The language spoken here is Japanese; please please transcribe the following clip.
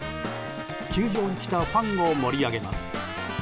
球場に来たファンを盛り上げます。